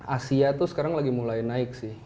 asia tuh sekarang lagi mulai naik sih